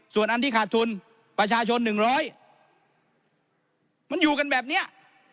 ส่วนอันที่ขาดทุนประชาชน๑๐๐มันอยู่กันแบบเนี้ย